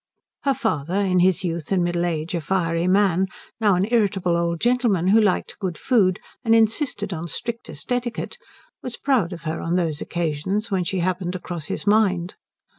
Her father, in his youth and middle age a fiery man, now an irritable old gentleman who liked good food and insisted on strictest etiquette, was proud of her on those occasions when she happened to cross his mind.